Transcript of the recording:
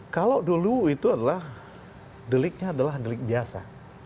kalau dulu itu adalah deliknya adalah delik biasa